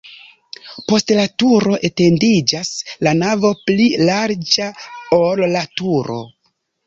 Post la turo etendiĝas la navo pli larĝa, ol la turo.